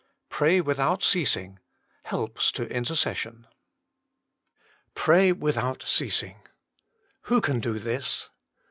PRAY WITHOUT CEASING to Intercession Pray without Ceasing. Who can do this